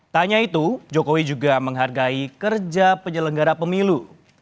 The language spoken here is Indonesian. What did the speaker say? tanya itu jokowi juga menghargai kerja penyelenggara pemilu